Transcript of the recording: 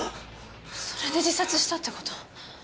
それで自殺したってこと？